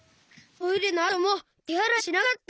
トイレのあともてあらいしなかった。